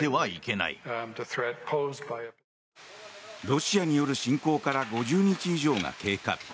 ロシアによる侵攻から５０日以上が経過。